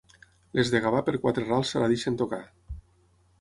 Les de Gavà per quatre rals se la deixen tocar.